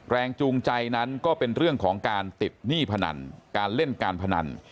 แรงจูงใจนั้นก็เป็นเรื่องของการติดหนี้พนันการเล่นการพนัน